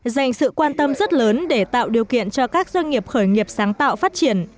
dành sự quan tâm rất lớn để tạo điều kiện cho các doanh nghiệp khởi nghiệp sáng tạo phát triển